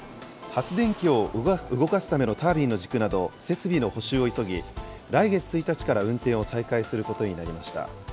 発電機を動かすためのタービンの軸など、設備の補修を急ぎ、来月１日から運転を再開することになりました。